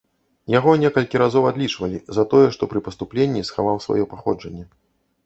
Яго некалькі разоў адлічвалі за тое, што пры паступленні схаваў сваё паходжанне.